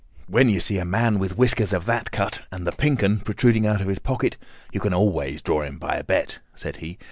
"When you see a man with whiskers of that cut and the 'Pink 'un' protruding out of his pocket, you can always draw him by a bet," said he.